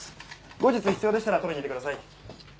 後日必要でしたら取りに行ってください。